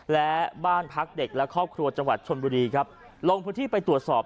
และบ้านพักเด็กและครอบครัวจังหวัดชนบุรีครับลงพื้นที่ไปตรวจสอบ